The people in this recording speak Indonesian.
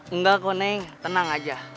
enggak kok neng tenang aja